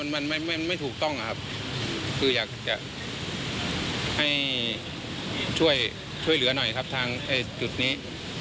มันไม่ถูกต้องครับคืออยากจะให้ช่วยเหลือหน่อยครับทางจุดนี้